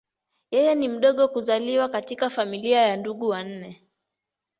Yeye ni mdogo kuzaliwa katika familia ya ndugu wanne.